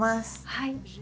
はい。